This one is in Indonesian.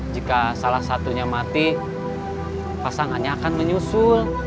jika salah satunya mati pasangannya akan menyusul